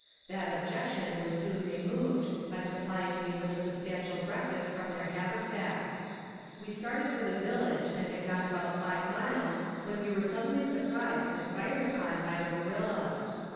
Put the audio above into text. That objection was soon removed, by supplying me with a substantial breakfast from their haversacks. We started for the village, and had gone about five miles when we were suddenly surprised and fired upon by the guerrillas.